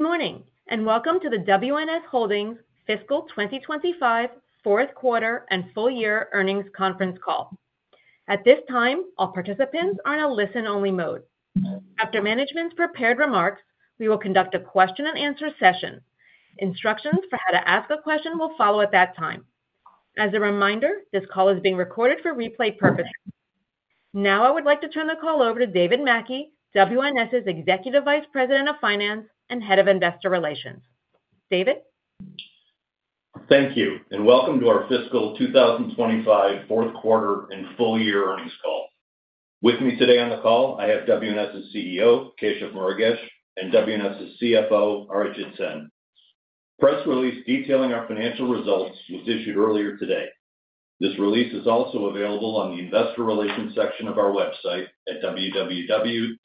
Good morning, and welcome to the WNS Holdings' Fiscal 2025 Fourth Quarter and Full Year Earnings Conference Call. At this time, all participants are in a listen-only mode. After management's prepared remarks, we will conduct a question-and-answer session. Instructions for how to ask a question will follow at that time. As a reminder, this call is being recorded for replay purposes. Now, I would like to turn the call over to David Mackey, WNS's Executive Vice President of Finance and Head of Investor Relations. David? Thank you, and welcome to our Fiscal 2025 Fourth Quarter and Full Year Earnings Call. With me today on the call, I have WNS's CEO, Keshav Murugesh, and WNS's CFO, Arijit Sen. A press release detailing our financial results was issued earlier today. This release is also available on the Investor Relations section of our website at www.wns.com.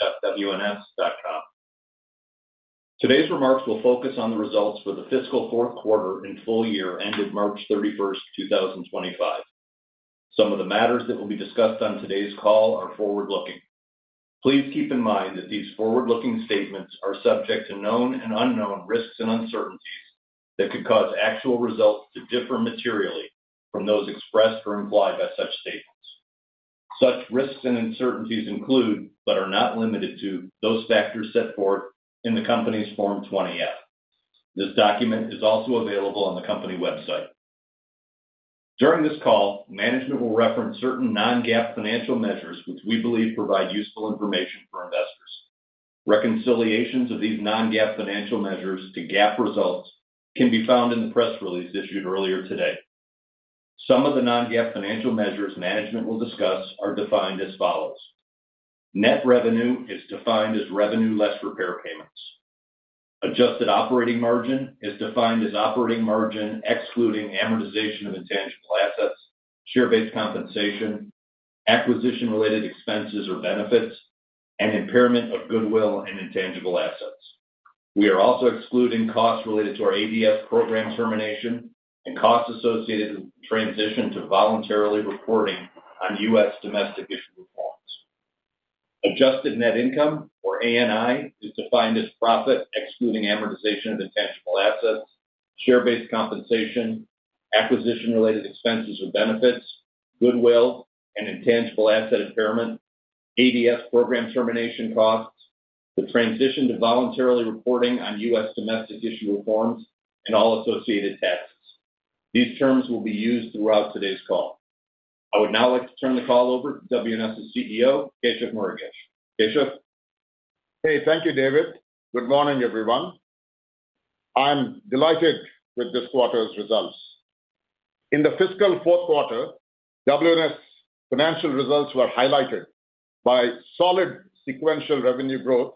Today's remarks will focus on the results for the Fiscal Fourth Quarter and Full Year ended March 31, 2025. Some of the matters that will be discussed on today's call are forward-looking. Please keep in mind that these forward-looking statements are subject to known and unknown risks and uncertainties that could cause actual results to differ materially from those expressed or implied by such statements. Such risks and uncertainties include, but are not limited to, those factors set forth in the company's Form 20-F. This document is also available on the company website. During this call, management will reference certain non-GAAP financial measures which we believe provide useful information for investors. Reconciliations of these non-GAAP financial measures to GAAP results can be found in the press release issued earlier today. Some of the non-GAAP financial measures management will discuss are defined as follows: Net revenue is defined as revenue less repair payments. Adjusted operating margin is defined as operating margin excluding amortization of intangible assets, share-based compensation, acquisition-related expenses or benefits, and impairment of goodwill and intangible assets. We are also excluding costs related to our ADS program termination and costs associated with the transition to voluntarily reporting on U.S. domestic issuer forms. Adjusted net income, or ANI, is defined as profit excluding amortization of intangible assets, share-based compensation, acquisition-related expenses or benefits, goodwill and intangible asset impairment, ADS program termination costs, the transition to voluntarily reporting on U.S. domestic issuer forms, and all associated taxes. These terms will be used throughout today's call. I would now like to turn the call over to WNS's CEO, Keshav Murugesh. Keshav? Hey, thank you, David. Good morning, everyone. I'm delighted with this quarter's results. In the fiscal fourth quarter, WNS financial results were highlighted by solid sequential revenue growth,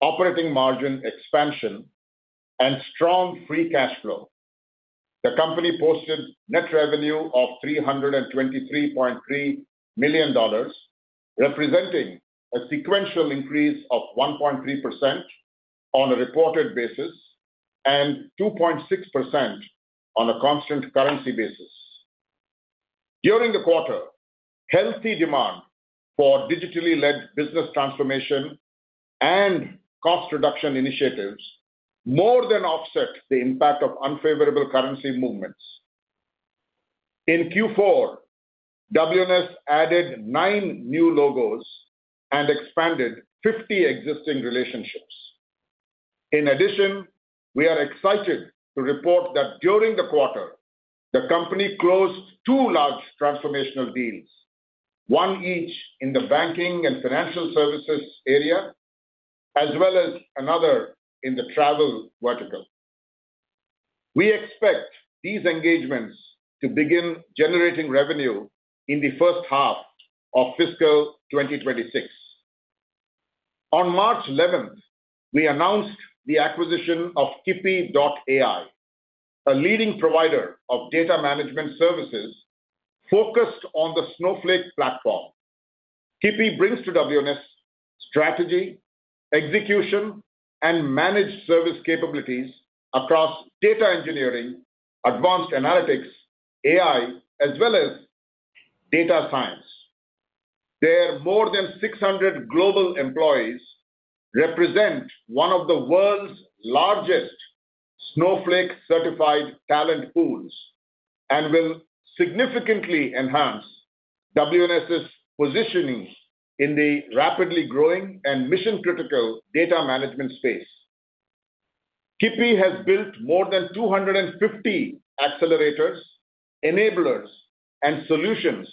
operating margin expansion, and strong free cash flow. The company posted net revenue of $323.3 million, representing a sequential increase of 1.3% on a reported basis and 2.6% on a constant currency basis. During the quarter, healthy demand for digitally led business transformation and cost reduction initiatives more than offset the impact of unfavorable currency movements. In Q4, WNS added nine new logos and expanded 50 existing relationships. In addition, we are excited to report that during the quarter, the company closed two large transformational deals, one each in the banking and financial services area, as well as another in the travel vertical. We expect these engagements to begin generating revenue in the first half of fiscal 2026. On March 11, we announced the acquisition of Kipi.ai, a leading provider of data management services focused on the Snowflake platform. Kipi brings to WNS strategy, execution, and managed service capabilities across data engineering, advanced analytics, AI, as well as data science. Their more than 600 global employees represent one of the world's largest Snowflake certified talent pools and will significantly enhance WNS's positioning in the rapidly growing and mission-critical data management space. Kipi has built more than 250 accelerators, enablers, and solutions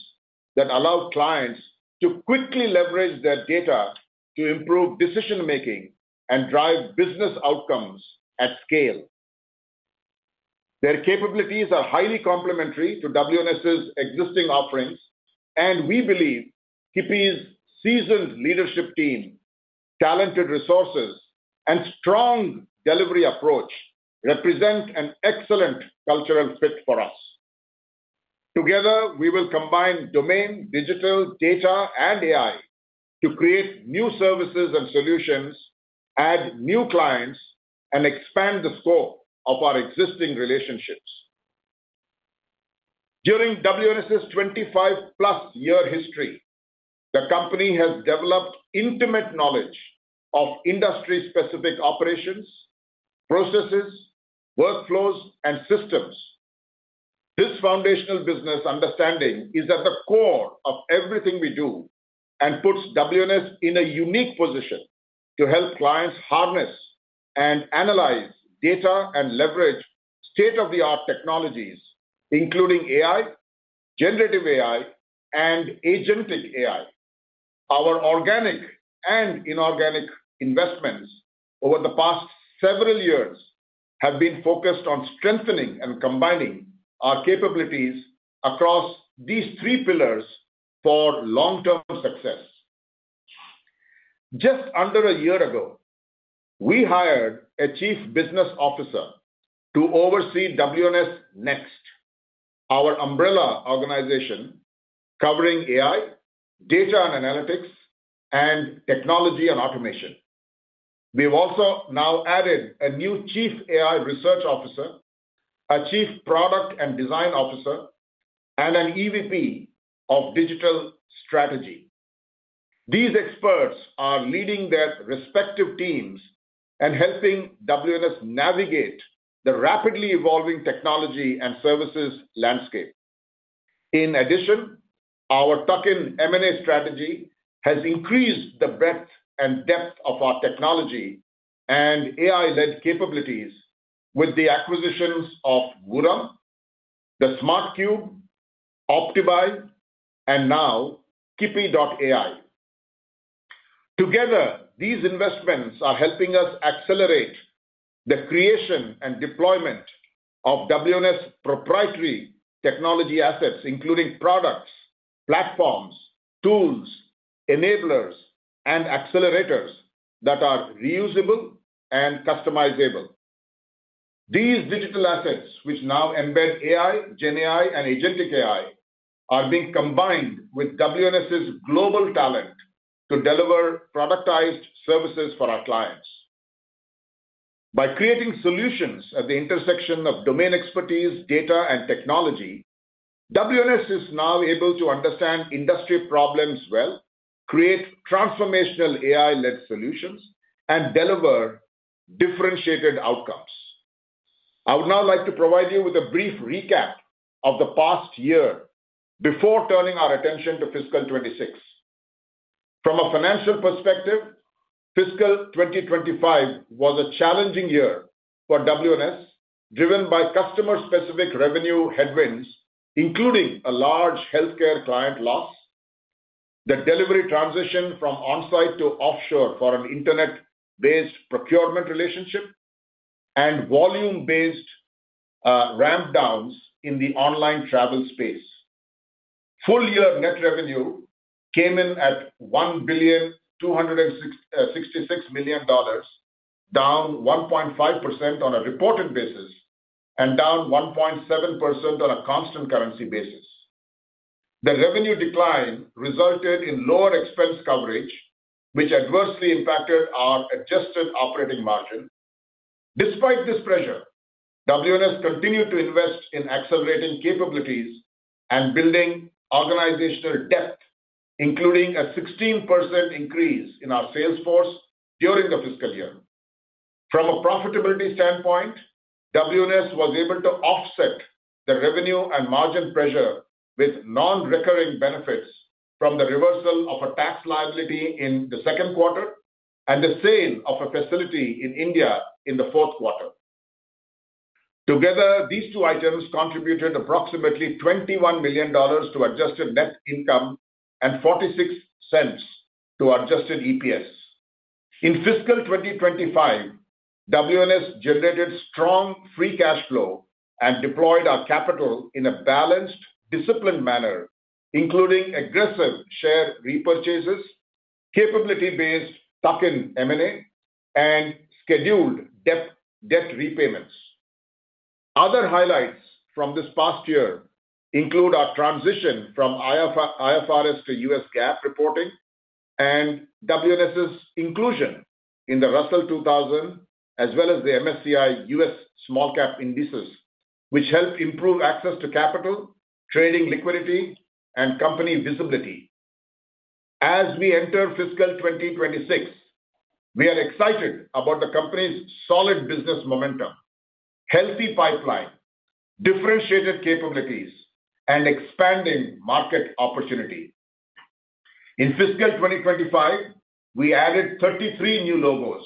that allow clients to quickly leverage their data to improve decision-making and drive business outcomes at scale. Their capabilities are highly complementary to WNS's existing offerings, and we believe Kipi's seasoned leadership team, talented resources, and strong delivery approach represent an excellent cultural fit for us. Together, we will combine domain, digital, data, and AI to create new services and solutions, add new clients, and expand the scope of our existing relationships. During WNS's 25-plus year history, the company has developed intimate knowledge of industry-specific operations, processes, workflows, and systems. This foundational business understanding is at the core of everything we do and puts WNS in a unique position to help clients harness and analyze data and leverage state-of-the-art technologies, including AI, generative AI, and Agentic AI. Our organic and inorganic investments over the past several years have been focused on strengthening and combining our capabilities across these three pillars for long-term success. Just under a year ago, we hired a Chief Business Officer to oversee WNS Next, our umbrella organization covering AI, data and analytics, and technology and automation. We have also now added a new Chief AI Research Officer, a Chief Product and Design Officer, and an EVP of Digital Strategy. These experts are leading their respective teams and helping WNS navigate the rapidly evolving technology and services landscape. In addition, our tuck-in M&A strategy has increased the breadth and depth of our technology and AI-led capabilities with the acquisitions of Vuram, The Smart Cube, OptiBuy, and now Kipi.ai. Together, these investments are helping us accelerate the creation and deployment of WNS proprietary technology assets, including products, platforms, tools, enablers, and accelerators that are reusable and customizable. These digital assets, which now embed AI, GenAI, and Agentic AI, are being combined with WNS's global talent to deliver productized services for our clients. By creating solutions at the intersection of domain expertise, data, and technology, WNS is now able to understand industry problems well, create transformational AI-led solutions, and deliver differentiated outcomes. I would now like to provide you with a brief recap of the past year before turning our attention to fiscal 2026. From a financial perspective, fiscal 2025 was a challenging year for WNS, driven by customer-specific revenue headwinds, including a large healthcare client loss, the delivery transition from onsite to offshore for an indirect procurement relationship, and volume-based ramp-downs in the online travel space. Full year net revenue came in at $1,266 million, down 1.5% on a reported basis and down 1.7% on a constant currency basis. The revenue decline resulted in lower expense coverage, which adversely impacted our adjusted operating margin. Despite this pressure, WNS continued to invest in accelerating capabilities and building organizational depth, including a 16% increase in our sales force during the fiscal year. From a profitability standpoint, WNS was able to offset the revenue and margin pressure with non-recurring benefits from the reversal of a tax liability in the second quarter and the sale of a facility in India in the fourth quarter. Together, these two items contributed approximately $21 million to adjusted net income and $0.46 to adjusted EPS. In fiscal 2025, WNS generated strong free cash flow and deployed our capital in a balanced, disciplined manner, including aggressive share repurchases, capability-based tuck-in M&A, and scheduled debt repayments. Other highlights from this past year include our transition from IFRS to U.S. GAAP reporting and WNS's inclusion in the Russell 2000, as well as the MSCI U.S. Small Cap indices, which help improve access to capital, trading liquidity, and company visibility. As we enter fiscal 2026, we are excited about the company's solid business momentum, healthy pipeline, differentiated capabilities, and expanding market opportunity. In fiscal 2025, we added 33 new logos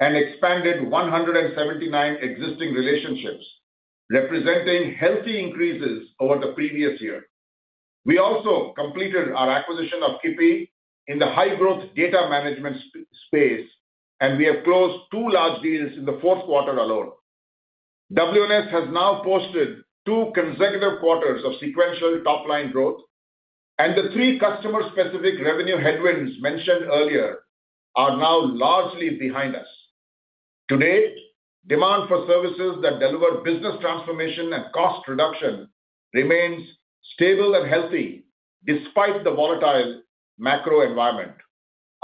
and expanded 179 existing relationships, representing healthy increases over the previous year. We also completed our acquisition of Kipi.ai in the high-growth data management space, and we have closed two large deals in the fourth quarter alone. WNS has now posted two consecutive quarters of sequential top-line growth, and the three customer-specific revenue headwinds mentioned earlier are now largely behind us. Today, demand for services that deliver business transformation and cost reduction remains stable and healthy despite the volatile macro environment.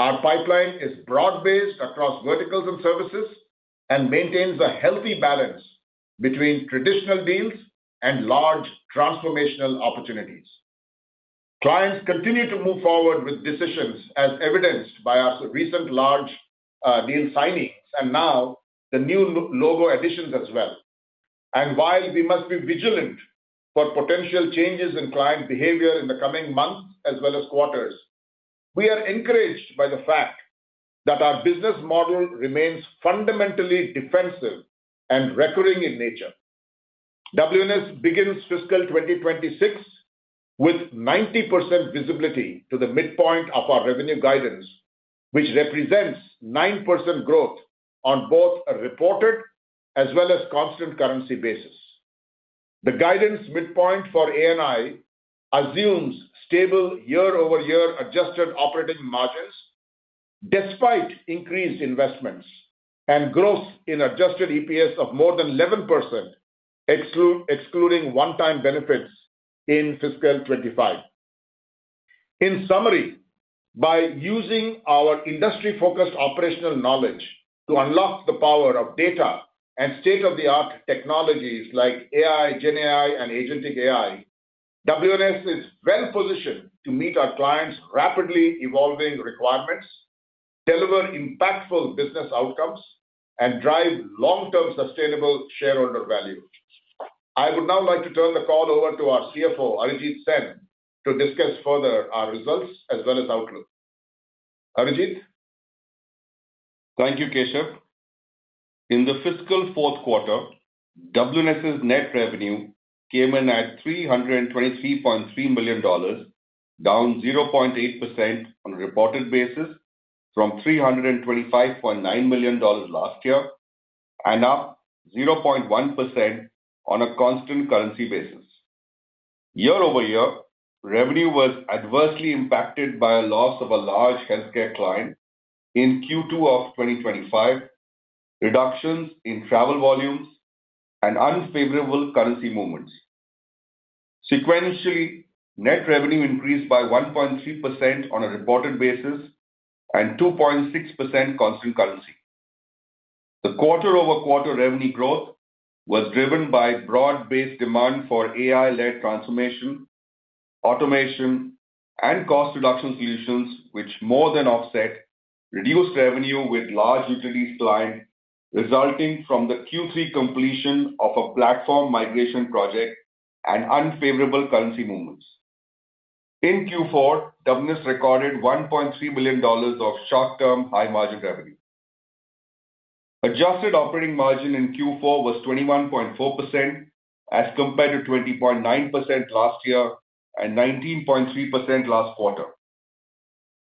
Our pipeline is broad-based across verticals and services and maintains a healthy balance between traditional deals and large transformational opportunities. Clients continue to move forward with decisions, as evidenced by our recent large deal signings and now the new logo additions as well. While we must be vigilant for potential changes in client behavior in the coming months as well as quarters, we are encouraged by the fact that our business model remains fundamentally defensive and recurring in nature. WNS begins fiscal 2026 with 90% visibility to the midpoint of our revenue guidance, which represents 9% growth on both a reported as well as constant currency basis. The guidance midpoint for ANI assumes stable year-over-year adjusted operating margins despite increased investments and growth in adjusted EPS of more than 11%, excluding one-time benefits in fiscal 2025. In summary, by using our industry-focused operational knowledge to unlock the power of data and state-of-the-art technologies like AI, GenAI, and Agentic AI, WNS is well-positioned to meet our clients' rapidly evolving requirements, deliver impactful business outcomes, and drive long-term sustainable shareholder value. I would now like to turn the call over to our CFO, Arijit Sen, to discuss further our results as well as outlook. Arijit? Thank you, Keshav. In the fiscal fourth quarter, WNS's net revenue came in at $323.3 million, down 0.8% on a reported basis from $325.9 million last year and up 0.1% on a constant currency basis. Year-over-year, revenue was adversely impacted by a loss of a large healthcare client in Q2 of 2025, reductions in travel volumes, and unfavorable currency movements. Sequentially, net revenue increased by 1.3% on a reported basis and 2.6% constant currency. The quarter-over-quarter revenue growth was driven by broad-based demand for AI-led transformation, automation, and cost reduction solutions, which more than offset reduced revenue with large utilities clients resulting from the Q3 completion of a platform migration project and unfavorable currency movements. In Q4, WNS recorded $1.3 million of short-term high-margin revenue. Adjusted operating margin in Q4 was 21.4% as compared to 20.9% last year and 19.3% last quarter.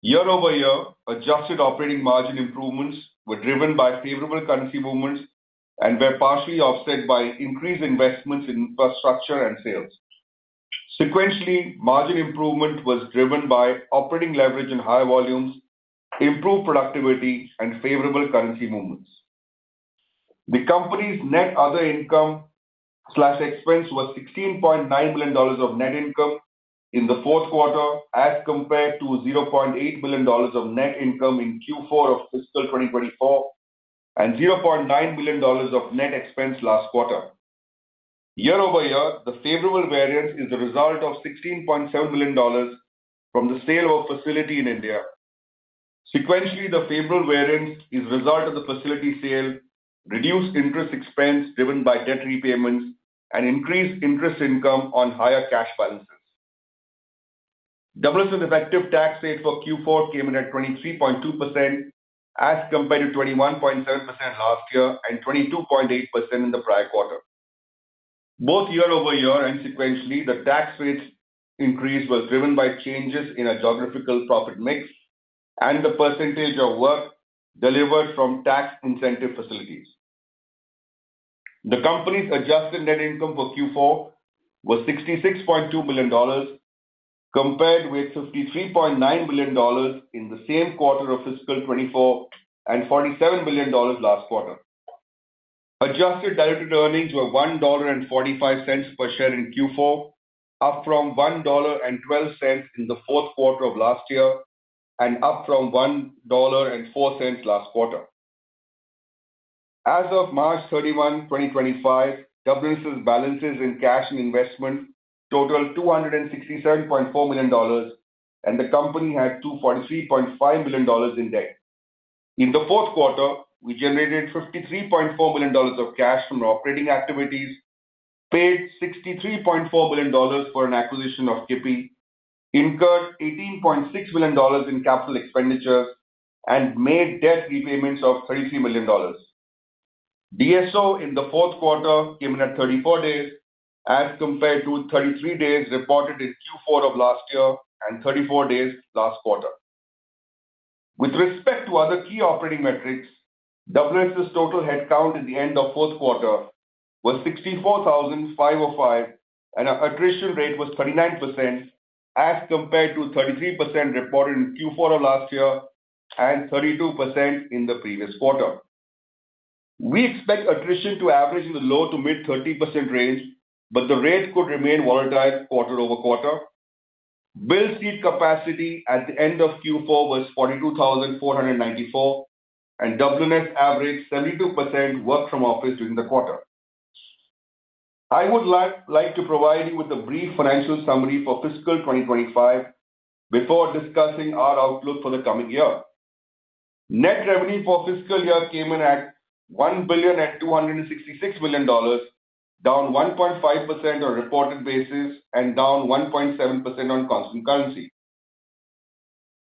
Year-over-year, adjusted operating margin improvements were driven by favorable currency movements and were partially offset by increased investments in infrastructure and sales. Sequentially, margin improvement was driven by operating leverage and high volumes, improved productivity, and favorable currency movements. The company's net other income/expense was $16.9 million of net income in the fourth quarter as compared to $0.8 million of net income in Q4 of fiscal 2024 and $0.9 million of net expense last quarter. Year-over-year, the favorable variance is the result of $16.7 million from the sale of a facility in India. Sequentially, the favorable variance is the result of the facility sale, reduced interest expense driven by debt repayments, and increased interest income on higher cash balances. WNS's effective tax rate for Q4 came in at 23.2% as compared to 21.7% last year and 22.8% in the prior quarter. Both year-over-year and sequentially, the tax rate increase was driven by changes in a geographical profit mix and the percentage of work delivered from tax-incentive facilities. The company's adjusted net income for Q4 was $66.2 million compared with $53.9 million in the same quarter of fiscal 2024 and $47 million last quarter. Adjusted diluted earnings were $1.45 per share in Q4, up from $1.12 in the fourth quarter of last year and up from $1.04 last quarter. As of March 31, 2025, WNS's balances in cash and investments totaled $267.4 million, and the company had $243.5 million in debt. In the fourth quarter, we generated $53.4 million of cash from operating activities, paid $63.4 million for an acquisition of Kipi.ai, incurred $18.6 million in capital expenditures, and made debt repayments of $33 million. DSO in the fourth quarter came in at 34 days as compared to 33 days reported in Q4 of last year and 34 days last quarter. With respect to other key operating metrics, WNS's total headcount at the end of fourth quarter was 64,505, and attrition rate was 39% as compared to 33% reported in Q4 of last year and 32% in the previous quarter. We expect attrition to average in the low to mid 30% range, but the rate could remain volatile quarter over quarter. Built seat capacity at the end of Q4 was 42,494, and WNS averaged 72% work from office during the quarter. I would like to provide you with a brief financial summary for fiscal 2025 before discussing our outlook for the coming year. Net revenue for fiscal year came in at $1,266 million, down 1.5% on a reported basis and down 1.7% on constant currency.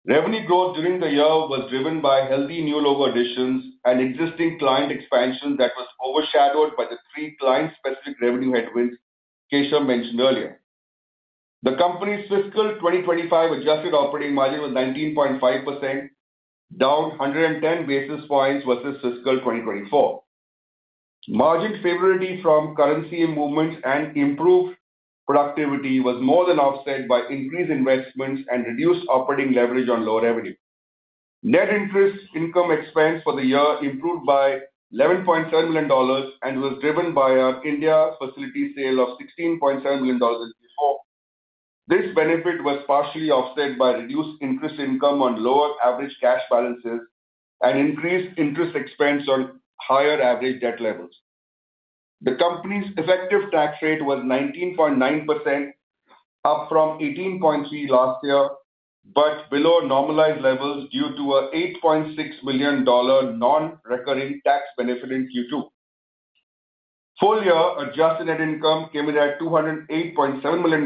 Revenue growth during the year was driven by healthy new logo additions and existing client expansion that was overshadowed by the three client-specific revenue headwinds Keshav mentioned earlier. The company's fiscal 2025 adjusted operating margin was 19.5%, down 110 basis points versus fiscal 2024. Margin favorability from currency movements and improved productivity was more than offset by increased investments and reduced operating leverage on low revenue. Net interest income expense for the year improved by $11.7 million and was driven by our India facility sale of $16.7 million in Q4. This benefit was partially offset by reduced interest income on lower average cash balances and increased interest expense on higher average debt levels. The company's effective tax rate was 19.9%, up from 18.3% last year, but below normalized levels due to a $8.6 million non-recurring tax benefit in Q2. Full year adjusted net income came in at $208.7 million,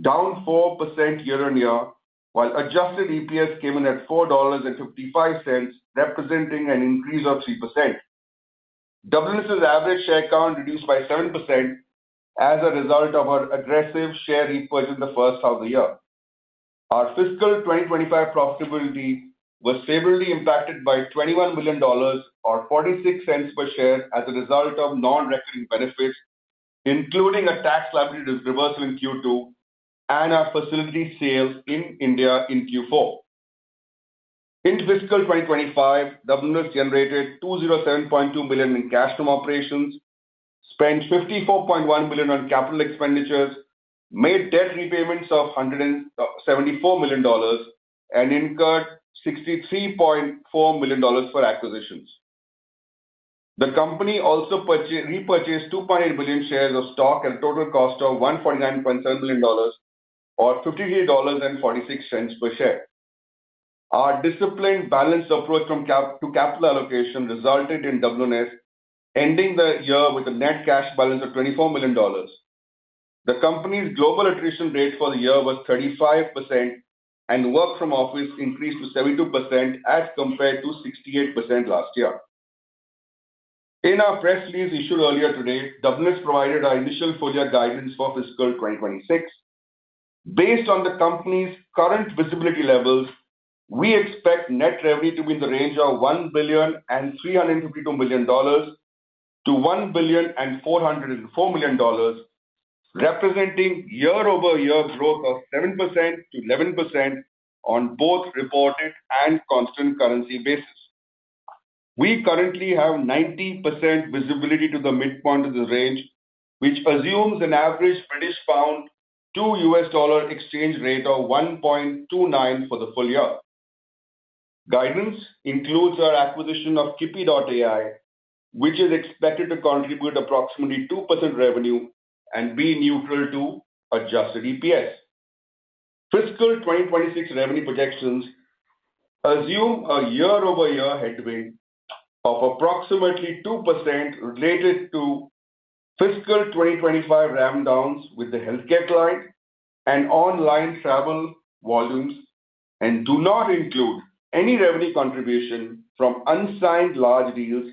down 4% year-on-year, while adjusted EPS came in at $4.55, representing an increase of 3%. WNS's average share count reduced by 7% as a result of our aggressive share repurchase in the first half of the year. Our fiscal 2025 profitability was favorably impacted by $21 million or $0.46 per share as a result of non-recurring benefits, including a tax liability reversal in Q2 and our facility sale in India in Q4. In fiscal 2025, WNS generated $207.2 million in cash from operations, spent $54.1 million on capital expenditures, made debt repayments of $174 million, and incurred $63.4 million for acquisitions. The company also repurchased 2.8 million shares of stock at a total cost of $149.7 million or $53.46 per share. Our disciplined balance approach to capital allocation resulted in WNS ending the year with a net cash balance of $24 million. The company's global attrition rate for the year was 35%, and work from office increased to 72% as compared to 68% last year. In our press release issued earlier today, WNS provided our initial full year guidance for fiscal 2026. Based on the company's current visibility levels, we expect net revenue to be in the range of $1.352 billion-$1.404 billion, representing year-over-year growth of 7%-11% on both reported and constant currency basis. We currently have 90% visibility to the midpoint of the range, which assumes an average British pound to US dollar exchange rate of 1.29 for the full year. Guidance includes our acquisition of Kipi.ai, which is expected to contribute approximately 2% revenue and be neutral to adjusted EPS. Fiscal 2026 revenue projections assume a year-over-year headwind of approximately 2% related to fiscal 2025 rundowns with the healthcare client and online travel volumes and do not include any revenue contribution from unsigned large deals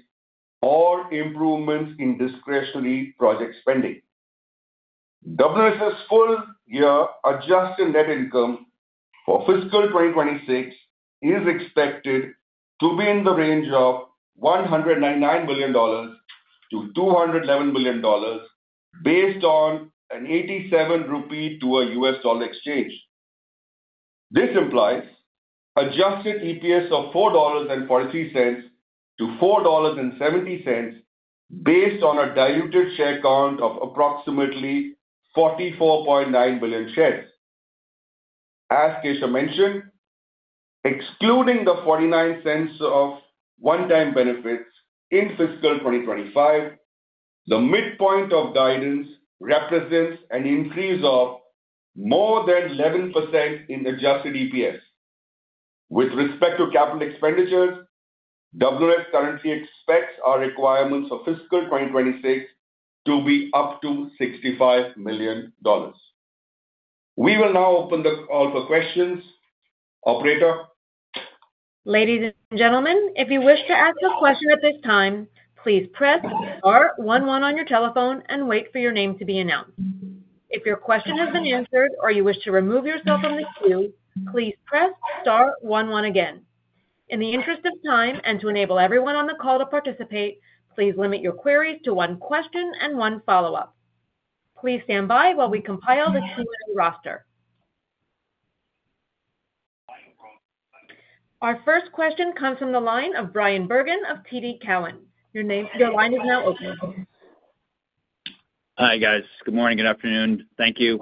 or improvements in discretionary project spending. WNS's full year adjusted net income for fiscal 2026 is expected to be in the range of $199 million-$211 million based on an 87 rupee to a US dollar exchange. This implies adjusted EPS of $4.43-$4.70 based on a diluted share count of approximately 44.9 million shares. As Keshav mentioned, excluding the $0.49 of one-time benefits in fiscal 2025, the midpoint of guidance represents an increase of more than 11% in adjusted EPS. With respect to capital expenditures, WNS currently expects our requirements for fiscal 2026 to be up to $65 million. We will now open the call for questions. Operator. Ladies and gentlemen, if you wish to ask a question at this time, please press star one one on your telephone and wait for your name to be announced. If your question has been answered or you wish to remove yourself from the queue, please press star one one again. In the interest of time and to enable everyone on the call to participate, please limit your queries to one question and one follow-up. Please stand by while we compile the Q&A roster. Our first question comes from the line of Bryan Bergin of TD Cowen. Your line is now open. Hi, guys. Good morning. Good afternoon. Thank you.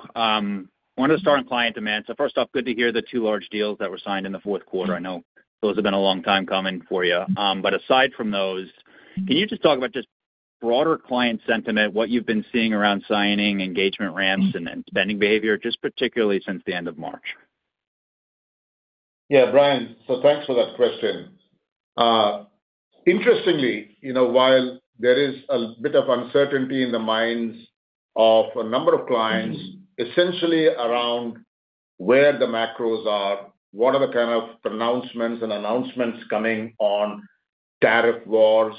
I wanted to start on client demand. First off, good to hear the two large deals that were signed in the fourth quarter. I know those have been a long time coming for you. Aside from those, can you just talk about broader client sentiment, what you've been seeing around signing, engagement ramps, and spending behavior, particularly since the end of March? Yeah, Bryan, so thanks for that question. Interestingly, while there is a bit of uncertainty in the minds of a number of clients, essentially around where the macros are, what are the kind of pronouncements and announcements coming on tariff wars,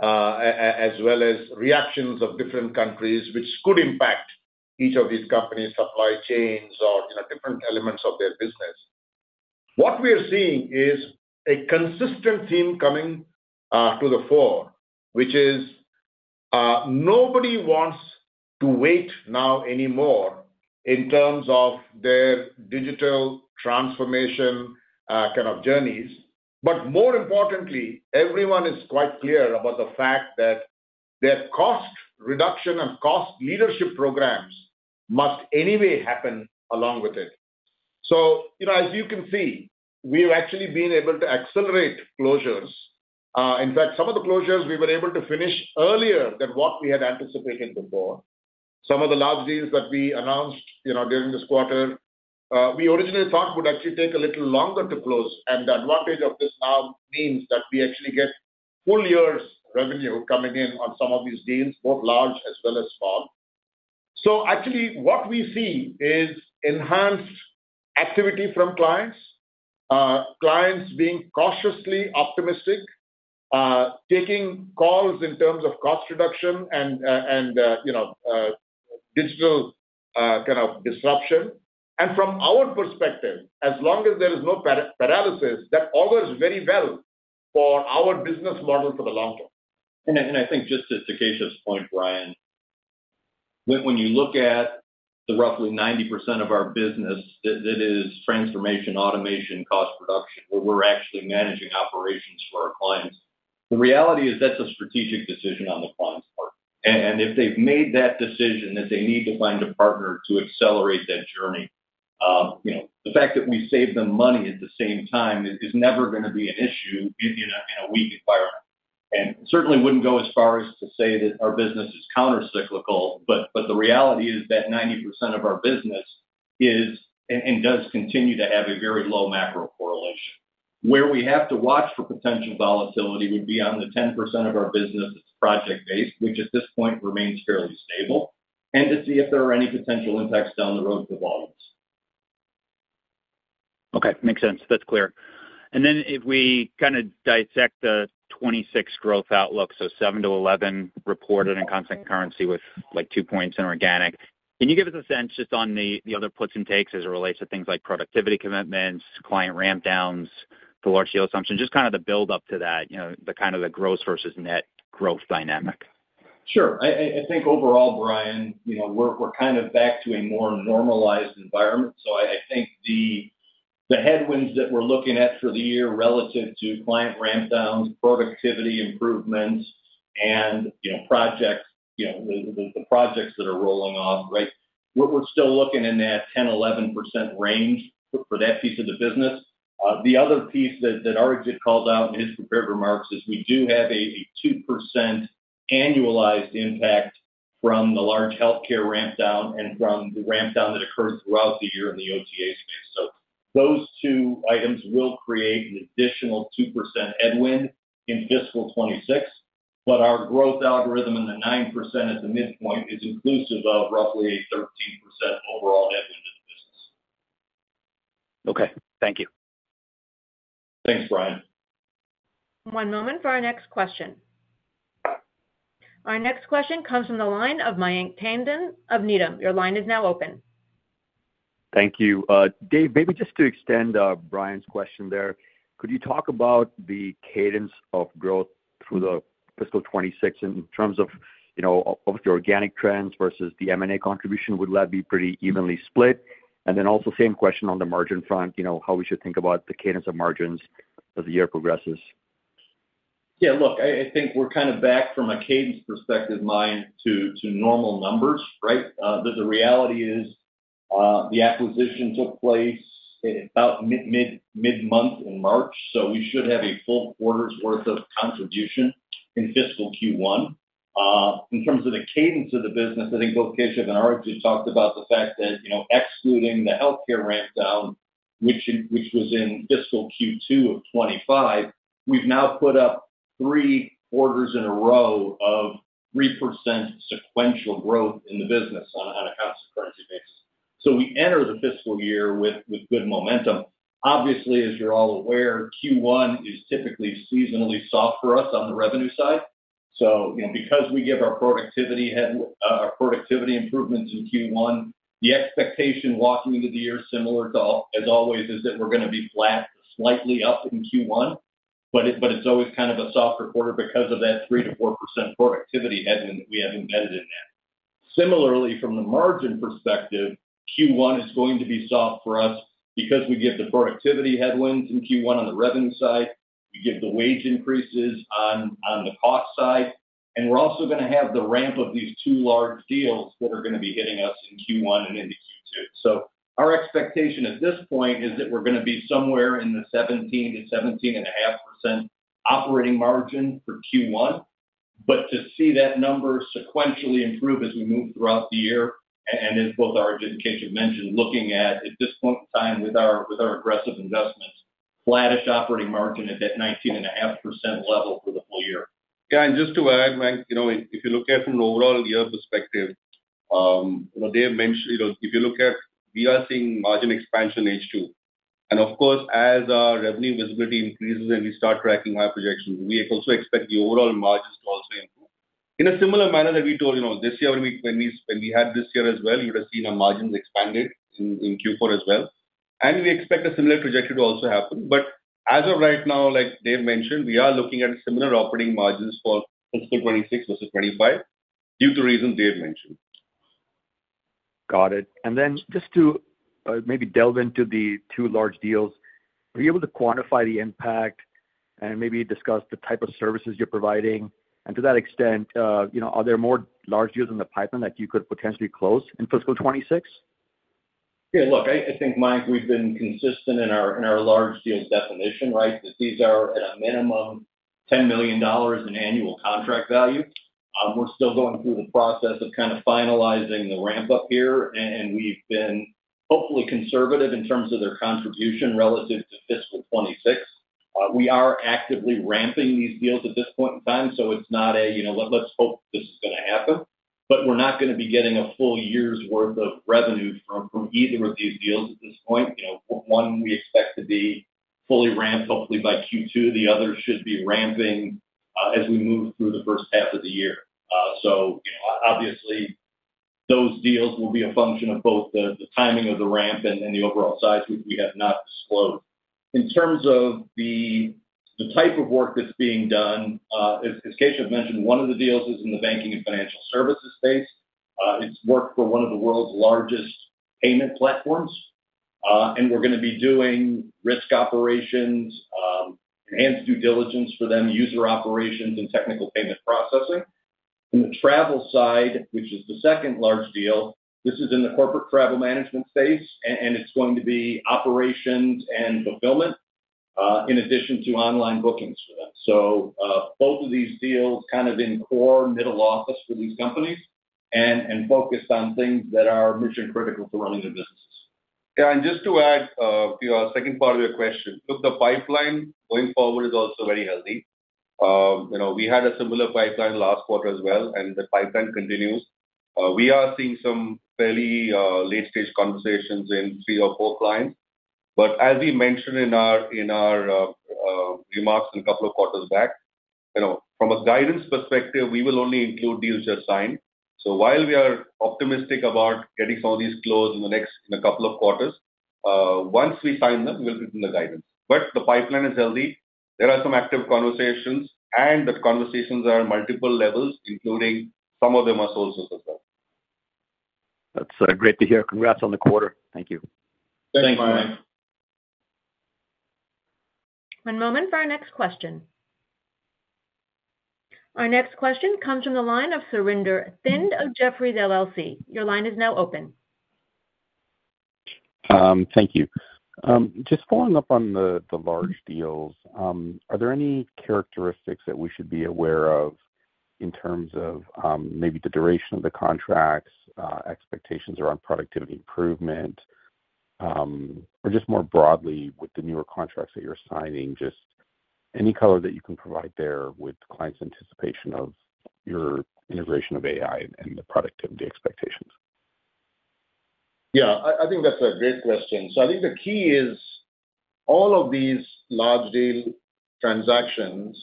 as well as reactions of different countries, which could impact each of these companies' supply chains or different elements of their business. What we are seeing is a consistent theme coming to the fore, which is nobody wants to wait now anymore in terms of their digital transformation kind of journeys. More importantly, everyone is quite clear about the fact that their cost reduction and cost leadership programs must anyway happen along with it. As you can see, we have actually been able to accelerate closures. In fact, some of the closures we were able to finish earlier than what we had anticipated before. Some of the large deals that we announced during this quarter, we originally thought would actually take a little longer to close. The advantage of this now means that we actually get full year's revenue coming in on some of these deals, both large as well as small. Actually, what we see is enhanced activity from clients, clients being cautiously optimistic, taking calls in terms of cost reduction and digital kind of disruption. From our perspective, as long as there is no paralysis, that augurs very well for our business model for the long term. I think just to Keshav's point, Bryan, when you look at the roughly 90% of our business that is transformation, automation, cost reduction, where we're actually managing operations for our clients, the reality is that's a strategic decision on the client's part. If they've made that decision that they need to find a partner to accelerate that journey, the fact that we save them money at the same time is never going to be an issue in a weak environment. I certainly would not go as far as to say that our business is countercyclical, but the reality is that 90% of our business is and does continue to have a very low macro correlation. Where we have to watch for potential volatility would be on the 10% of our business that's project-based, which at this point remains fairly stable, and to see if there are any potential impacts down the road to the volumes. Okay. Makes sense. That's clear. If we kind of dissect the 2026 growth outlook, so 7%-11% reported in constant currency with two points in organic, can you give us a sense just on the other puts and takes as it relates to things like productivity commitments, client ramp-downs, the large deal assumption, just kind of the build-up to that, the kind of the gross versus net growth dynamic? Sure. I think overall, Bryan, we're kind of back to a more normalized environment. I think the headwinds that we're looking at for the year relative to client ramp-downs, productivity improvements, and projects, the projects that are rolling off, right, we're still looking in that 10%-11% range for that piece of the business. The other piece that Arijit called out in his prepared remarks is we do have a 2% annualized impact from the large healthcare ramp-down and from the ramp-down that occurred throughout the year in the OTA space. Those two items will create an additional 2% headwind in fiscal 2026, but our growth algorithm in the 9% at the midpoint is inclusive of roughly a 13% overall headwind in the business. Okay. Thank you. Thanks, Bryan. One moment for our next question. Our next question comes from the line of Mayank Tandon of Needham. Your line is now open. Thank you. Dave, maybe just to extend Bryan's question there, could you talk about the cadence of growth through the fiscal 2026 in terms of the organic trends versus the M&A contribution? Would that be pretty evenly split? Also, same question on the margin front, how we should think about the cadence of margins as the year progresses. Yeah. Look, I think we're kind of back from a cadence perspective line to normal numbers, right? The reality is the acquisition took place about mid-month in March, so we should have a full quarter's worth of contribution in fiscal Q1. In terms of the cadence of the business, I think both Keshav and Arijit talked about the fact that excluding the healthcare ramp-down, which was in fiscal Q2 of 2025, we've now put up three quarters in a row of 3% sequential growth in the business on a constant currency basis. We enter the fiscal year with good momentum. Obviously, as you're all aware, Q1 is typically seasonally soft for us on the revenue side. Because we give our productivity improvements in Q1, the expectation walking into the year, similar to as always, is that we're going to be flat, slightly up in Q1, but it's always kind of a softer quarter because of that 3-4% productivity headwind that we have embedded in that. Similarly, from the margin perspective, Q1 is going to be soft for us because we give the productivity headwinds in Q1 on the revenue side, we give the wage increases on the cost side, and we're also going to have the ramp of these two large deals that are going to be hitting us in Q1 and into Q2. Our expectation at this point is that we're going to be somewhere in the 17-17.5% operating margin for Q1, but to see that number sequentially improve as we move throughout the year, and as both Arijit and Keshav mentioned, looking at at this point in time with our aggressive investments, flattish operating margin at that 19.5% level for the full year. Yeah. Just to add, Mayank, if you look at it from an overall year perspective, Dave mentioned, if you look at. We are seeing margin expansion H2. Of course, as our revenue visibility increases and we start tracking our projections, we also expect the overall margins to also improve. In a similar manner that we told this year, when we had this year as well, you would have seen our margins expanded in Q4 as well. We expect a similar trajectory to also happen. As of right now, like Dave mentioned, we are looking at similar operating margins for fiscal 2026 versus 2025 due to reasons Dave mentioned. Got it. Just to maybe delve into the two large deals, are you able to quantify the impact and maybe discuss the type of services you're providing? To that extent, are there more large deals in the pipeline that you could potentially close in fiscal 2026? Yeah. Look, I think, Mayank, we've been consistent in our large deal definition, right, that these are at a minimum $10 million in annual contract value. We're still going through the process of kind of finalizing the ramp-up here, and we've been hopefully conservative in terms of their contribution relative to fiscal 2026. We are actively ramping these deals at this point in time, so it's not a, "Let's hope this is going to happen." We're not going to be getting a full year's worth of revenue from either of these deals at this point. One we expect to be fully ramped, hopefully by Q2. The other should be ramping as we move through the first half of the year. Obviously, those deals will be a function of both the timing of the ramp and the overall size we have not disclosed. In terms of the type of work that's being done, as Keshav mentioned, one of the deals is in the banking and financial services space. It's work for one of the world's largest payment platforms, and we're going to be doing risk operations, enhanced due diligence for them, user operations, and technical payment processing. On the travel side, which is the second large deal, this is in the corporate travel management space, and it's going to be operations and fulfillment in addition to online bookings for them. Both of these deals are kind of in core, middle office for these companies and focused on things that are mission-critical for running their businesses. Yeah. Just to add to a second part of your question, look, the pipeline going forward is also very healthy. We had a similar pipeline last quarter as well, and the pipeline continues. We are seeing some fairly late-stage conversations in three or four clients. As we mentioned in our remarks a couple of quarters back, from a guidance perspective, we will only include deals just signed. While we are optimistic about getting some of these closed in a couple of quarters, once we sign them, we'll put them in the guidance. The pipeline is healthy. There are some active conversations, and the conversations are multiple levels, including some of them are sold to us as well. That's great to hear. Congrats on the quarter. Thank you. Thank you, Mayank. One moment for our next question. Our next question comes from the line of Surinder Thind of Jefferies LLC. Your line is now open. Thank you. Just following up on the large deals, are there any characteristics that we should be aware of in terms of maybe the duration of the contracts, expectations around productivity improvement, or just more broadly with the newer contracts that you're signing? Just any color that you can provide there with clients' anticipation of your integration of AI and the productivity expectations. Yeah. I think that's a great question. I think the key is all of these large deal transactions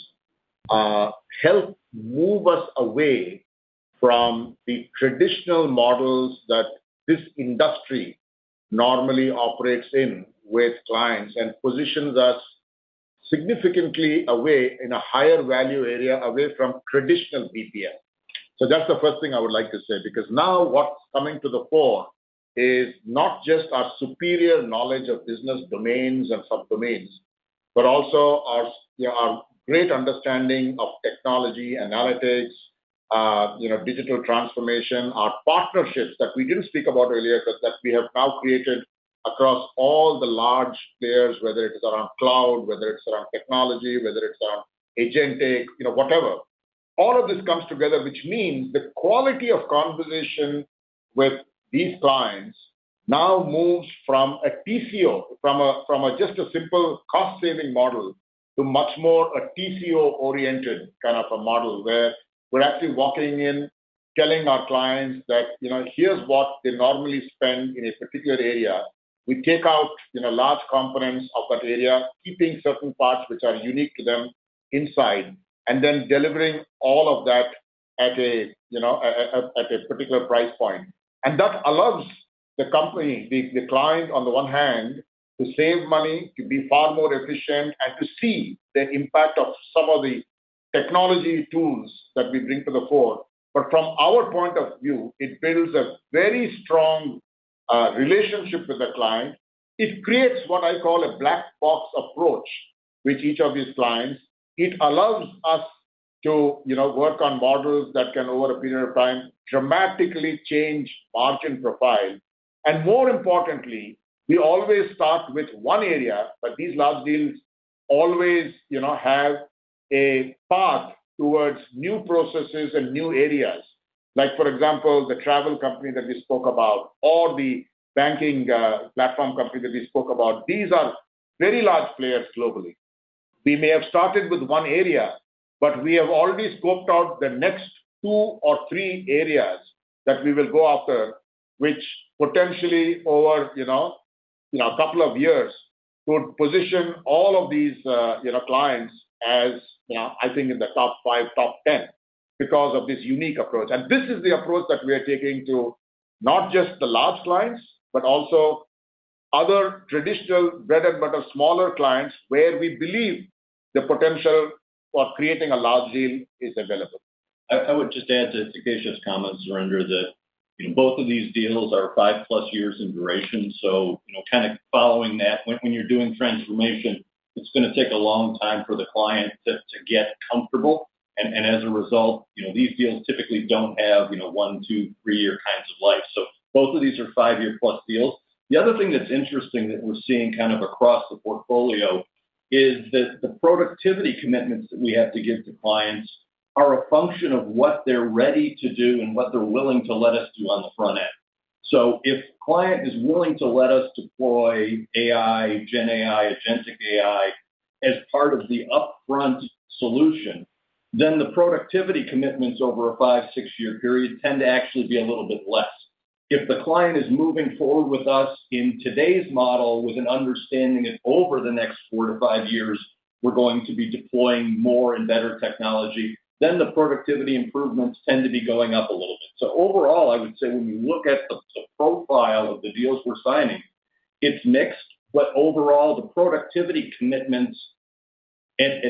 help move us away from the traditional models that this industry normally operates in with clients and positions us significantly away in a higher value area away from traditional BPM. That's the first thing I would like to say because now what's coming to the fore is not just our superior knowledge of business domains and subdomains, but also our great understanding of technology, analytics, digital transformation, our partnerships that we did not speak about earlier, but that we have now created across all the large players, whether it is around cloud, whether it's around technology, whether it's around agentic, whatever. All of this comes together, which means the quality of conversation with these clients now moves from a TCO, from just a simple cost-saving model to much more a TCO-oriented kind of a model where we're actually walking in, telling our clients that, "Here's what they normally spend in a particular area." We take out large components of that area, keeping certain parts which are unique to them inside, and then delivering all of that at a particular price point. That allows the company, the client on the one hand, to save money, to be far more efficient, and to see the impact of some of the technology tools that we bring to the fore. From our point of view, it builds a very strong relationship with the client. It creates what I call a black box approach with each of these clients. It allows us to work on models that can, over a period of time, dramatically change margin profile. More importantly, we always start with one area, but these large deals always have a path towards new processes and new areas. For example, the travel company that we spoke about or the banking platform company that we spoke about, these are very large players globally. We may have started with one area, but we have already scoped out the next two or three areas that we will go after, which potentially, over a couple of years, could position all of these clients as, I think, in the top 5, top 10 because of this unique approach. This is the approach that we are taking to not just the large clients, but also other traditional bread-and-butter smaller clients where we believe the potential for creating a large deal is available. I would just add to Keshav's comments, Surinder, that both of these deals are 5-plus years in duration. Kind of following that, when you're doing transformation, it's going to take a long time for the client to get comfortable. As a result, these deals typically don't have one, two, three-year kinds of life. Both of these are five-year-plus deals. The other thing that's interesting that we're seeing kind of across the portfolio is that the productivity commitments that we have to give to clients are a function of what they're ready to do and what they're willing to let us do on the front end. If a client is willing to let us deploy AI, GenAI, Agentic AI as part of the upfront solution, then the productivity commitments over a five, six-year period tend to actually be a little bit less. If the client is moving forward with us in today's model with an understanding that over the next four to five years, we're going to be deploying more and better technology, the productivity improvements tend to be going up a little bit. Overall, I would say when we look at the profile of the deals we're signing, it's mixed, but overall, the productivity commitments at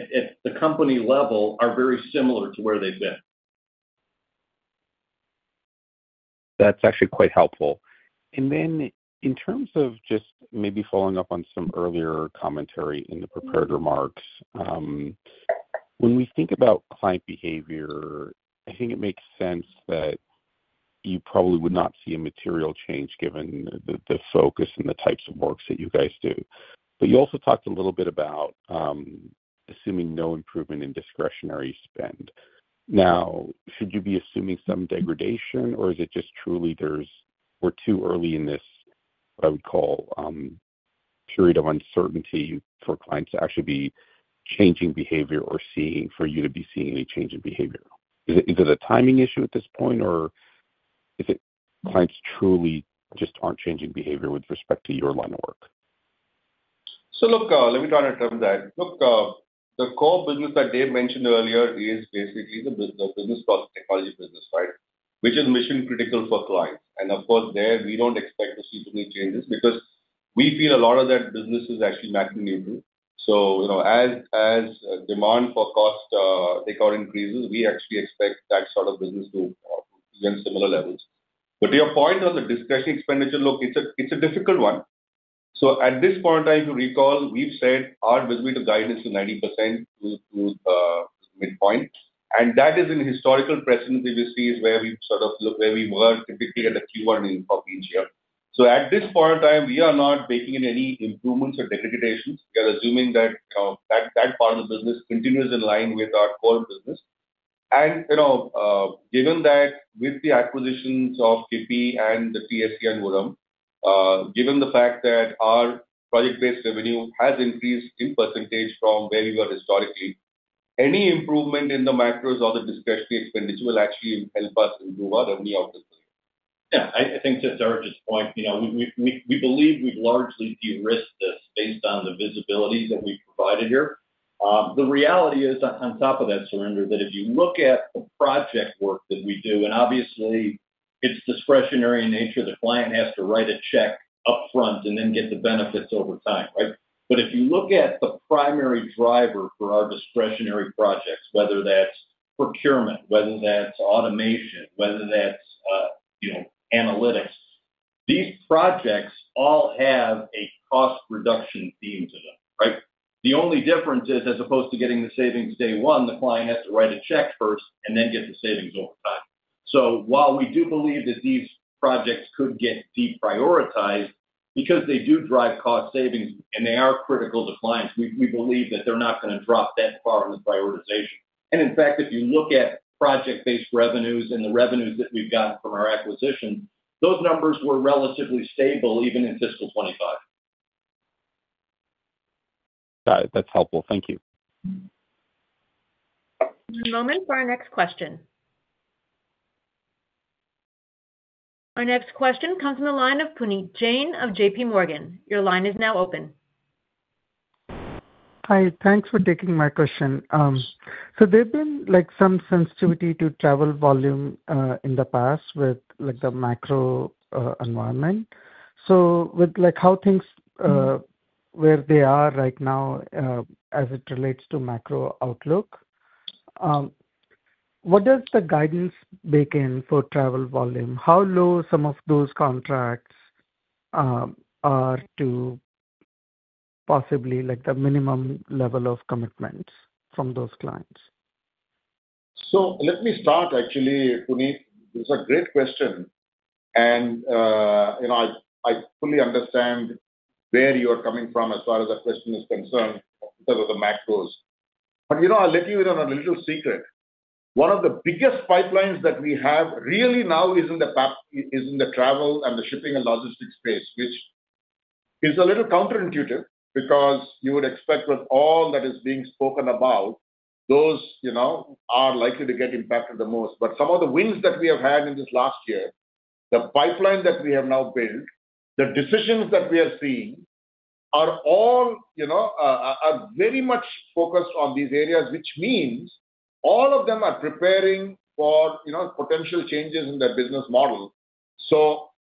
the company level are very similar to where they've been. That's actually quite helpful. In terms of just maybe following up on some earlier commentary in the prepared remarks, when we think about client behavior, I think it makes sense that you probably would not see a material change given the focus and the types of works that you guys do. You also talked a little bit about assuming no improvement in discretionary spend. Now, should you be assuming some degradation, or is it just truly we're too early in this, what I would call, period of uncertainty for clients to actually be changing behavior or for you to be seeing any change in behavior? Is it a timing issue at this point, or is it clients truly just aren't changing behavior with respect to your line of work? Look, let me try to turn that. Look, the core business that Dave mentioned earlier is basically the business called technology business, right, which is mission-critical for clients. Of course, there, we do not expect to see too many changes because we feel a lot of that business is actually maintenance too. As demand for cost takeout increases, we actually expect that sort of business to be on similar levels. To your point on the discretionary expenditure, look, it is a difficult one. At this point in time, if you recall, we have said our visibility of guidance is 90% to midpoint. That is in historical precedent that you see is where we sort of look where we were typically at the Q1 of each year. At this point in time, we are not making any improvements or degradations. We are assuming that that part of the business continues in line with our core business. Given that with the acquisitions of Kipi.ai and The Smart Cube and Vuram, given the fact that our project-based revenue has increased in percentage from where we were historically, any improvement in the macros or the discretionary expenditure will actually help us improve our revenue output. Yeah. I think to Arijit's point, we believe we've largely de-risked this based on the visibility that we've provided here. The reality is, on top of that, Surinder, that if you look at the project work that we do, and obviously, it's discretionary in nature. The client has to write a check upfront and then get the benefits over time, right? If you look at the primary driver for our discretionary projects, whether that's procurement, whether that's automation, whether that's analytics, these projects all have a cost-reduction theme to them, right? The only difference is, as opposed to getting the savings day one, the client has to write a check first and then get the savings over time. While we do believe that these projects could get deprioritized because they do drive cost savings and they are critical to clients, we believe that they're not going to drop that far in the prioritization. In fact, if you look at project-based revenues and the revenues that we've gotten from our acquisitions, those numbers were relatively stable even in fiscal 2025. Got it. That's helpful. Thank you. One moment for our next question. Our next question comes from the line of Puneet Jain of JPMorgan. Your line is now open. Hi. Thanks for taking my question. There's been some sensitivity to travel volume in the past with the macro environment. With how things where they are right now as it relates to macro outlook, what does the guidance bake in for travel volume? How low some of those contracts are to possibly the minimum level of commitments from those clients? Let me start, actually, Puneet. It's a great question. I fully understand where you are coming from as far as the question is concerned in terms of the macros. I'll let you in on a little secret. One of the biggest pipelines that we have really now is in the travel and the shipping and logistics space, which is a little counterintuitive because you would expect with all that is being spoken about, those are likely to get impacted the most. Some of the wins that we have had in this last year, the pipeline that we have now built, the decisions that we are seeing are all very much focused on these areas, which means all of them are preparing for potential changes in their business model.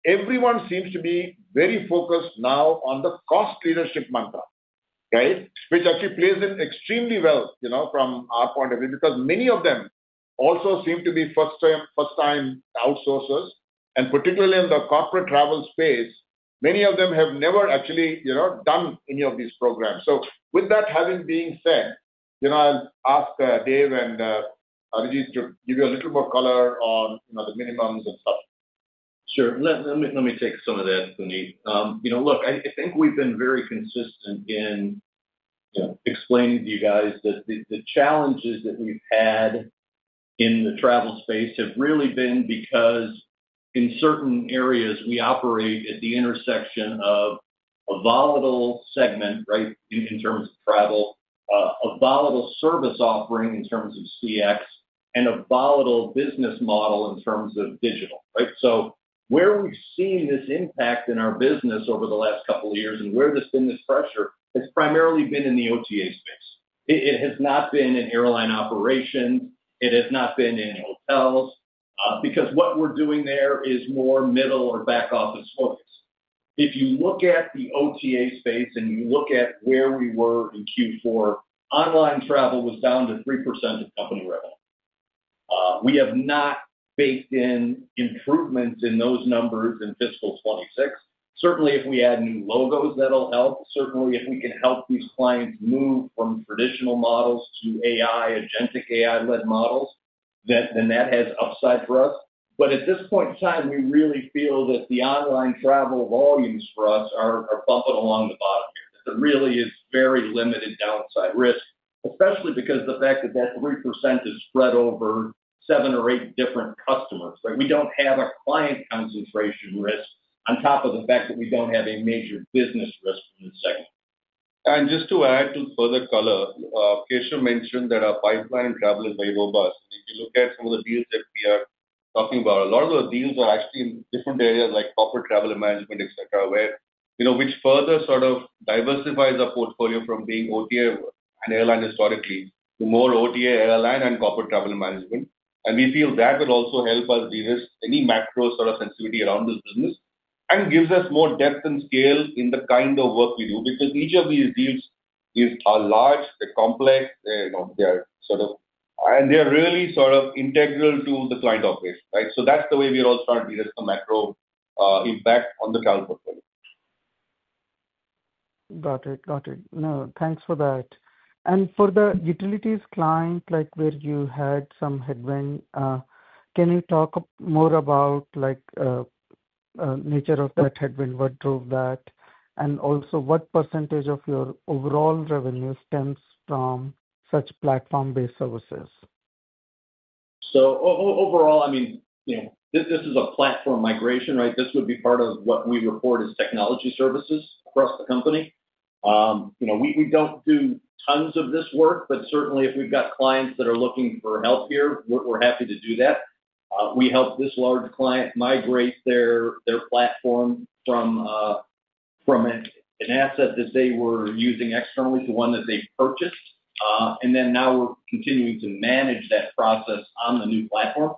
Everyone seems to be very focused now on the cost leadership mantra, right, which actually plays in extremely well from our point of view because many of them also seem to be first-time outsourcers. Particularly in the corporate travel space, many of them have never actually done any of these programs. With that having being said, I'll ask Dave and Arijit to give you a little more color on the minimums and such. Sure. Let me take some of that, Puneet. Look, I think we've been very consistent in explaining to you guys that the challenges that we've had in the travel space have really been because in certain areas, we operate at the intersection of a volatile segment, right, in terms of travel, a volatile service offering in terms of CX, and a volatile business model in terms of digital, right? Where we've seen this impact in our business over the last couple of years and where there's been this pressure, it's primarily been in the OTA space. It has not been in airline operations. It has not been in hotels because what we're doing there is more middle or back office focused. If you look at the OTA space and you look at where we were in Q4, online travel was down to 3% of company revenue. We have not baked in improvements in those numbers in fiscal 2026. Certainly, if we add new logos, that'll help. Certainly, if we can help these clients move from traditional models to AI, Agentic AI-led models, then that has upside for us. At this point in time, we really feel that the online travel volumes for us are bumping along the bottom here. There really is very limited downside risk, especially because the fact that that 3% is spread over seven or eight different customers, right? We do not have a client concentration risk on top of the fact that we do not have a major business risk in this segment. To add further color, Keshav mentioned that our pipeline travel is very robust. If you look at some of the deals that we are talking about, a lot of those deals are actually in different areas like corporate travel and management, etc., which further sort of diversifies our portfolio from being OTA and airline historically to more OTA, airline, and corporate travel and management. We feel that would also help us de-risk any macro sort of sensitivity around this business and gives us more depth and scale in the kind of work we do because each of these deals is large, they're complex, they are sort of, and they are really sort of integral to the client operation, right? That is the way we are also trying to de-risk the macro impact on the travel portfolio. Got it. Got it. No, thanks for that. For the utilities client, where you had some headwind, can you talk more about the nature of that headwind, what drove that, and also what percentage of your overall revenue stems from such platform-based services? Overall, I mean, this is a platform migration, right? This would be part of what we report as technology services across the company. We don't do tons of this work, but certainly, if we've got clients that are looking for help here, we're happy to do that. We help this large client migrate their platform from an asset that they were using externally to one that they purchased. Now we're continuing to manage that process on the new platform.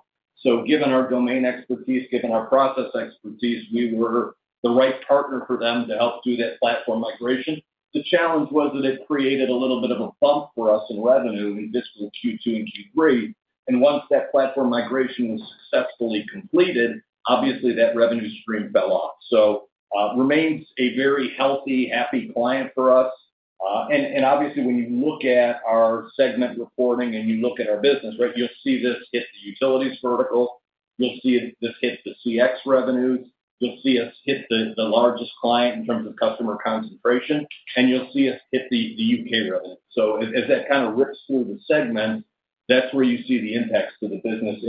Given our domain expertise, given our process expertise, we were the right partner for them to help do that platform migration. The challenge was that it created a little bit of a bump for us in revenue in fiscal Q2 and Q3. Once that platform migration was successfully completed, obviously, that revenue stream fell off. It remains a very healthy, happy client for us. Obviously, when you look at our segment reporting and you look at our business, right, you'll see this hit the utilities vertical. You'll see this hit the CX revenues. You'll see us hit the largest client in terms of customer concentration. You'll see us hit the U.K. revenue. As that kind of rips through the segment, that's where you see the impacts to the business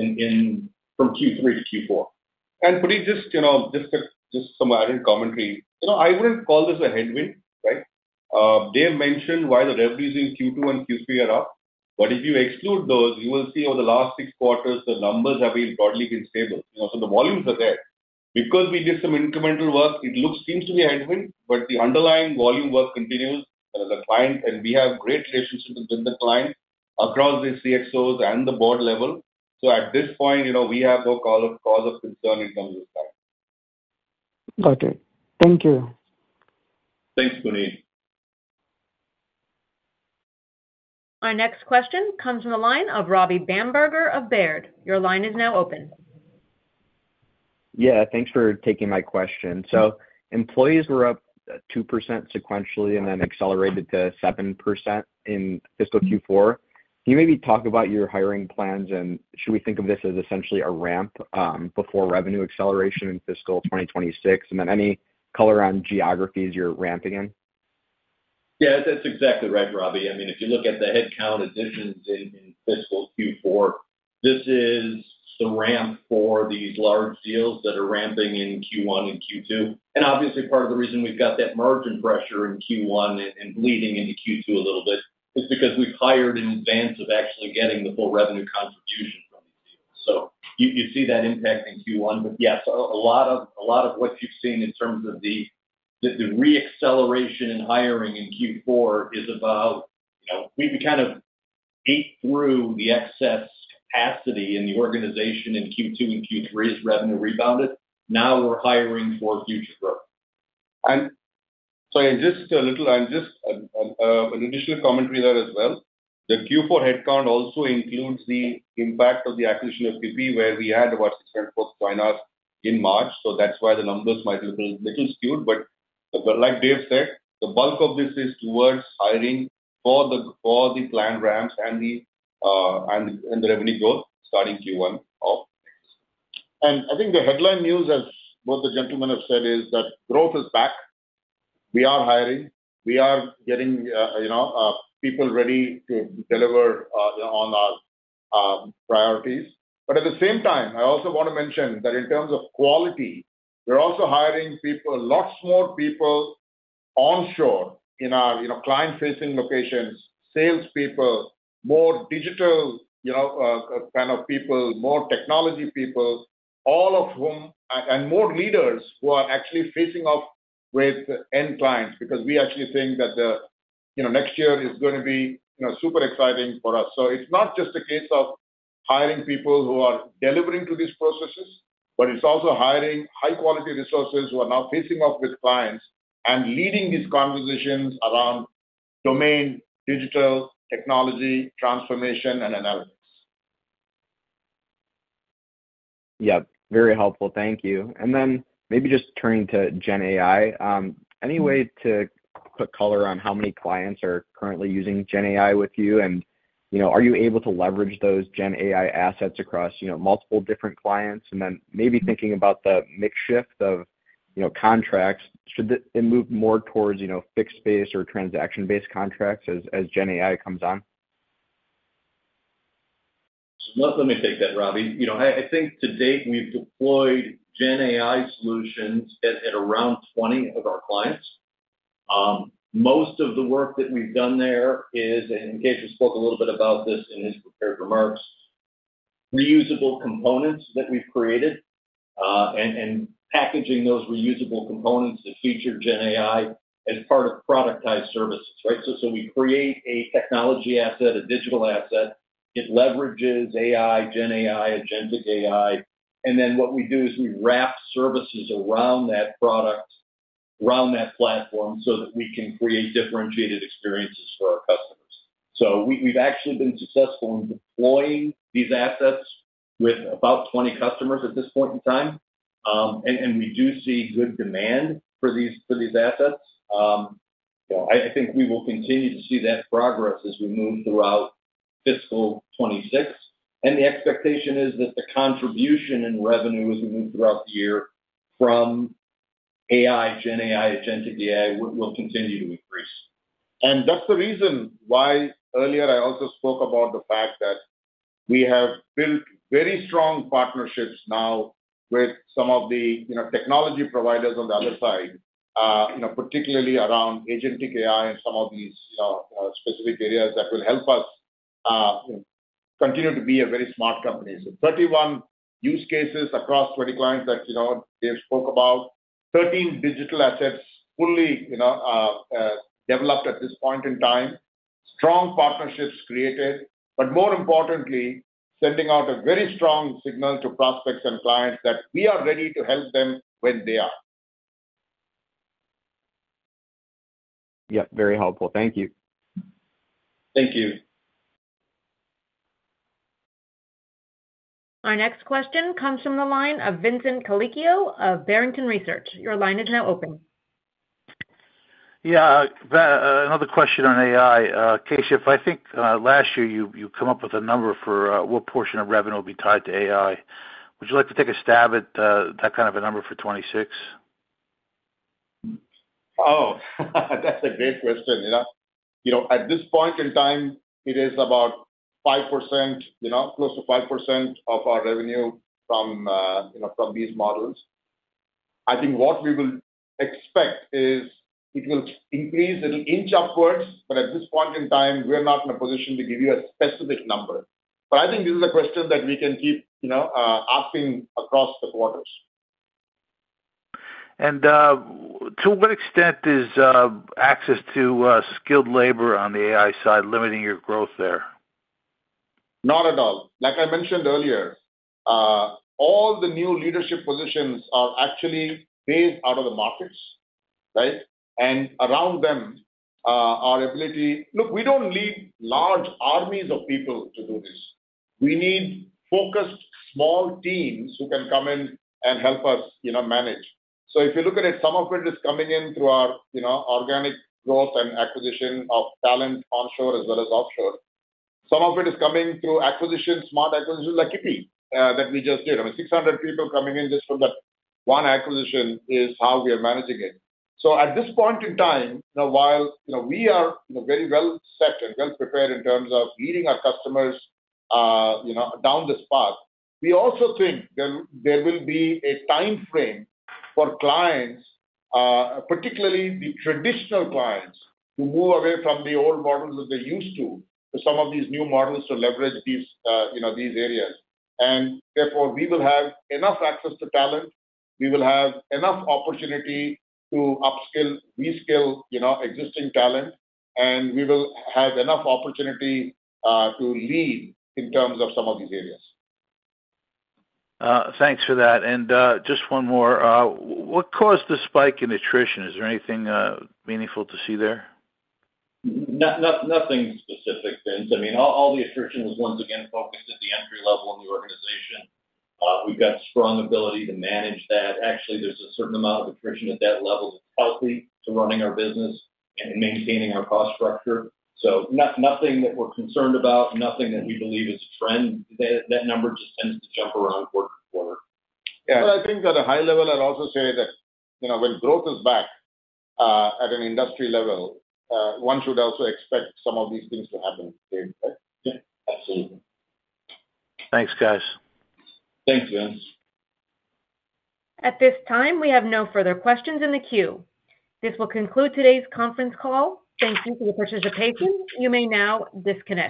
from Q3 to Q4. Puneet, just some added commentary. I would not call this a headwind, right? Dave mentioned why the revenues in Q2 and Q3 are up. If you exclude those, you will see over the last six quarters, the numbers have broadly been stable. The volumes are there. Because we did some incremental work, it seems to be a headwind, but the underlying volume work continues. We have great relationships with the client across the CXOs and the board level. At this point, we have no cause of concern in terms of client. Got it. Thank you. Thanks, Puneet. Our next question comes from the line of Robbie Bamberger of Baird. Your line is now open. Yeah. Thanks for taking my question. Employees were up 2% sequentially and then accelerated to 7% in fiscal Q4. Can you maybe talk about your hiring plans and should we think of this as essentially a ramp before revenue acceleration in fiscal 2026? Any color on geographies you're ramping in? Yeah. That's exactly right, Robbie. I mean, if you look at the headcount additions in fiscal Q4, this is the ramp for these large deals that are ramping in Q1 and Q2. Obviously, part of the reason we've got that margin pressure in Q1 and bleeding into Q2 a little bit is because we've hired in advance of actually getting the full revenue contribution from these deals. You see that impact in Q1. Yes, a lot of what you've seen in terms of the re-acceleration in hiring in Q4 is about we kind of ate through the excess capacity in the organization in Q2 and Q3 as revenue rebounded. Now we're hiring for future growth. Sorry, just a little additional commentary there as well. The Q4 headcount also includes the impact of the acquisition of Kipi.ai, where we had about 600-plus conversions in March. That is why the numbers might look a little skewed. Like Dave said, the bulk of this is towards hiring for the planned ramps and the revenue growth starting Q1 off. I think the headline news, as both the gentlemen have said, is that growth is back. We are hiring. We are getting people ready to deliver on our priorities. At the same time, I also want to mention that in terms of quality, we're also hiring lots more people onshore in our client-facing locations, salespeople, more digital kind of people, more technology people, all of whom, and more leaders who are actually facing off with end clients because we actually think that next year is going to be super exciting for us. It is not just a case of hiring people who are delivering to these processes, but it is also hiring high-quality resources who are now facing off with clients and leading these conversations around domain, digital, technology, transformation, and analytics. Yeah. Very helpful. Thank you. Maybe just turning to GenAI, any way to put color on how many clients are currently using GenAI with you? Are you able to leverage those GenAI assets across multiple different clients? Maybe thinking about the mix shift of contracts, should it move more towards fixed-based or transaction-based contracts as GenAI comes on? Let me take that, Robbie. I think to date, we've deployed GenAI solutions at around 20 of our clients. Most of the work that we've done there is, and Keshav spoke a little bit about this in his prepared remarks, reusable components that we've created and packaging those reusable components to feature GenAI as part of productized services, right? We create a technology asset, a digital asset. It leverages AI, GenAI, Agentic AI. What we do is we wrap services around that product, around that platform so that we can create differentiated experiences for our customers. We've actually been successful in deploying these assets with about 20 customers at this point in time. We do see good demand for these assets. I think we will continue to see that progress as we move throughout fiscal 2026. The expectation is that the contribution in revenue as we move throughout the year from AI, GenAI, Agentic AI will continue to increase. That's the reason why earlier I also spoke about the fact that we have built very strong partnerships now with some of the technology providers on the other side, particularly around Agentic AI and some of these specific areas that will help us continue to be a very smart company. Thirty-one use cases across 20 clients that Dave spoke about, 13 digital assets fully developed at this point in time, strong partnerships created, but more importantly, sending out a very strong signal to prospects and clients that we are ready to help them when they are. Yep. Very helpful. Thank you. Thank you. Our next question comes from the line of Vincent Colicchio of Barrington Research. Your line is now open. Yeah. Another question on AI. Keshav, I think last year you come up with a number for what portion of revenue will be tied to AI. Would you like to take a stab at that kind of a number for 2026? Oh, that's a great question. At this point in time, it is about 5%, close to 5% of our revenue from these models. I think what we will expect is it will increase, it'll inch upwards. At this point in time, we're not in a position to give you a specific number. I think this is a question that we can keep asking across the quarters. To what extent is access to skilled labor on the AI side limiting your growth there? Not at all. Like I mentioned earlier, all the new leadership positions are actually based out of the markets, right? Around them, our ability, look, we do not need large armies of people to do this. We need focused small teams who can come in and help us manage. If you look at it, some of it is coming in through our organic growth and acquisition of talent onshore as well as offshore. Some of it is coming through acquisition, smart acquisition like Kipi.ai that we just did. I mean, 600 people coming in just from that one acquisition is how we are managing it. At this point in time, while we are very well set and well prepared in terms of leading our customers down this path, we also think there will be a time frame for clients, particularly the traditional clients, to move away from the old models that they're used to, some of these new models to leverage these areas. Therefore, we will have enough access to talent. We will have enough opportunity to upskill, reskill existing talent. We will have enough opportunity to lead in terms of some of these areas. Thanks for that. Just one more. What caused the spike in attrition? Is there anything meaningful to see there? Nothing specific, Vince. I mean, all the attrition was once again focused at the entry level in the organization. We've got strong ability to manage that. Actually, there's a certain amount of attrition at that level that's healthy to running our business and maintaining our cost structure. Nothing that we're concerned about, nothing that we believe is a trend. That number just tends to jump around quarter to quarter. Yeah. I think at a high level, I'd also say that when growth is back at an industry level, one should also expect some of these things to happen. Yeah. Absolutely. Thanks, guys. Thanks, Vince. At this time, we have no further questions in the queue. This will conclude today's conference call. Thank you for your participation. You may now disconnect.